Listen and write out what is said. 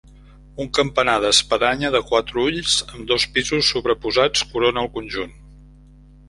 Un campanar d'espadanya de quatre ulls, amb dos pisos sobreposats corona el conjunt.